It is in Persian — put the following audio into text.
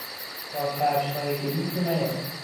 با کفشهای گلی تو نیا!